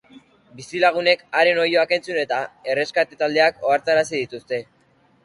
Bizilagunek haren oihuak entzun eta erreskate taldeak ohartarazi dituzte.